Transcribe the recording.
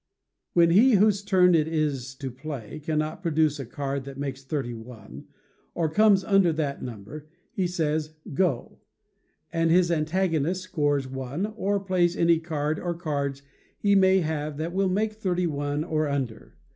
When he whose turn it is to play cannot produce a card that makes thirty one, or comes under that number, he says, "Go," and his antagonist scores one, or plays any card or cards he may have that will make thirty one, or under.